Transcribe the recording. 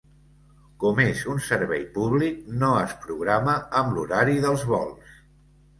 Com és un servei públic no es programa amb l'horari dels vols.